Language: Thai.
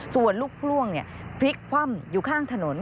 ส่วนลูกพ่วงพลิกคว่ำอยู่ข้างถนน